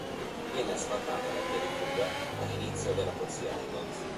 Viene asfaltata la via di fuga all'inizio della corsia dei box.